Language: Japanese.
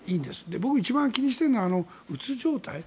僕が一番気にしているのはうつ状態。